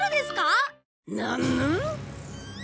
なぬ？